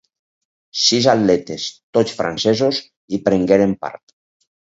Sis atletes, tots francesos, hi prengueren part.